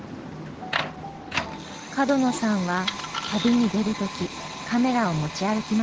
角野さんは旅に出る時カメラを持ち歩きません。